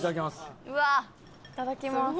いただきます。